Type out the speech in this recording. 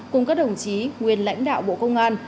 cùng các đồng chí nguyên lãnh đạo bộ công an